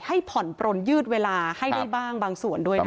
ให้ผ่อนปลนยืดเวลาให้ได้บ้างบางส่วนด้วยนะคะ